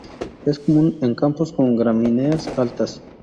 Es común en campos con gramíneas altas.